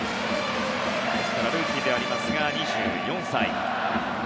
ですからルーキーでありますが２４歳。